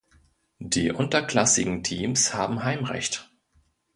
Die unterklassigen Teams haben Heimrecht.